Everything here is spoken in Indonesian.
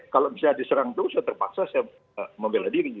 kalau bisa diserang terus saya terpaksa saya membela diri